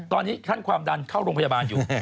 ตอนนี้ขั้นความดันเข้าโรงพยาบาลอยู่